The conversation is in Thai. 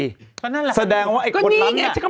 ก็นั่นแหละแสดงว่าไอ้คนนั้นเนี่ย